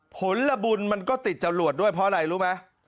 ผลละบุญมันก็ติดจรวดด้วยเพราะอะไรรู้ไหม